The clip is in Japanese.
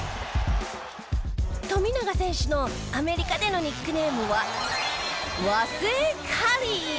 富永選手のアメリカでのニックネームは。